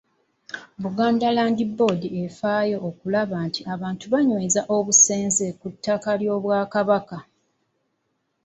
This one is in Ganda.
Buganda Land Board efaayo okulaba nti abantu banyweza obusenze ku ttaka ly’Obwakabaka.